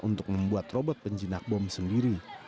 untuk membuat robot penjinak bom sendiri